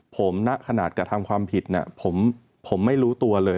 ผมนักขนาดการทำความผิดผมไม่รู้ตัวเลย